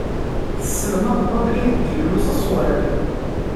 Tesselmadeḍ abrid n Yillu s ṣṣwab.